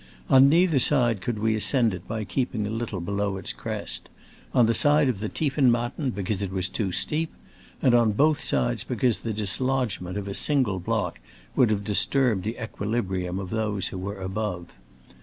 On neither side could we ascend it by keeping a little below its crest — on the side of the Tiefenmatten because it was too steep, and on both sides be cause the dislodgment of a single block would have disturbed the equilibrium of those which were above.